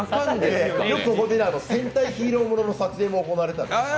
よく戦隊ヒーローものの撮影も行われていたんです。